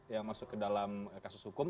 yang masuk ke dalam kasus hukum